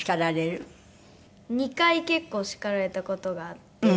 ２回結構叱られた事があって。